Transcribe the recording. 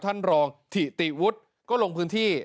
ท่านรองถิติวุฒิก็ลงพื้นที่